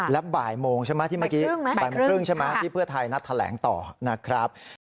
และบ่ายโมงใช่ไหมที่เมื่อกี้บ่ายโมงครึ่งใช่ไหมที่เพื่อไทยนัดแถลงต่อนะครับ